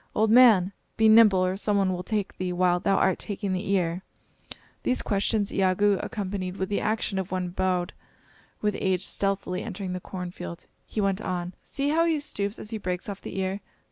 Old man! be nimble, or some one will take thee while thou art taking the ear." These questions Iagoo accompanied with the action of one bowed with age stealthily entering' the cornfield. He went on: "See how he stoops as he breaks off the ear.